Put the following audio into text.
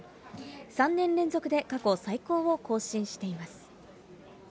３年連続で過去最高を更新しています。